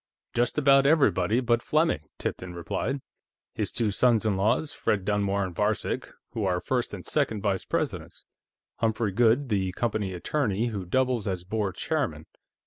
"Just about everybody but Fleming," Tipton replied. "His two sons in law, Fred Dunmore and Varcek, who are first and second vice presidents. Humphrey Goode, the company attorney, who doubles as board chairman.